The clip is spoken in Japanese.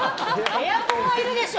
エアコンはいるでしょ